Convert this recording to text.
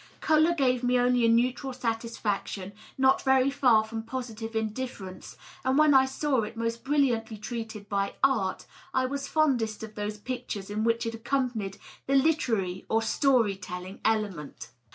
Color gave me only a neutral satisfiiction, not very far from positive indifference, and when I saw it most brilliantly treated by Art I was fondest of those pictures in which it accompanied the literary or " story telling^' element.